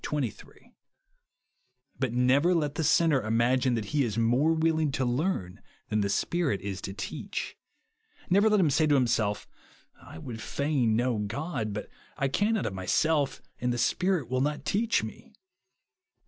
But never let the sinner imagine that he is more willing to learn than the Spirit is to teach. Never let him say to himself, " I would fain know God, but I cannot of myself, and the Spirit will not teach me."